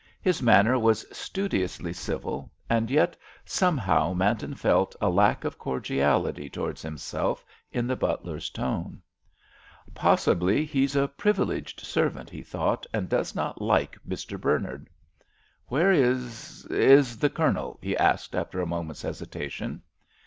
His manner was studiously civil, and yet somehow Manton felt a lack of cordiality towards himself in the butler's tone. "Possibly he's a privileged servant," he thought, "and does not like Mr. Bernard." "Where is—is the Colonel?" he asked after a moment's hesitation.